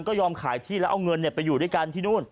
ก็ยอมขายที่แล้วเอาเงินไปอยู่ด้วยกันที่นู่น